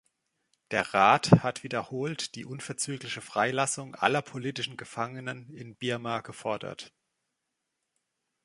Der Rat hat wiederholt die unverzügliche Freilassung aller politischen Gefangenen in Birma gefordert.